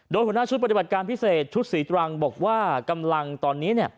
โดยหัวหน้าชุดปฏิบัติการพิเศษชุดศรีตรังบอกว่ากำลังตอนนี้